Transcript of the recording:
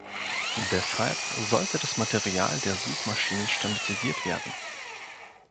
Deshalb sollte das Material der Suchmaschinen standardisiert werden.